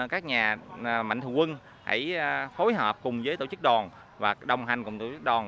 các nhà mạnh thường quân hãy phối hợp cùng với tổ chức đoàn và đồng hành cùng tổ chức đoàn